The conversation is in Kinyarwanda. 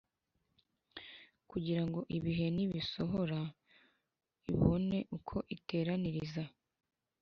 Kugira ngo ibihe nibisohora ibone uko iteraniriza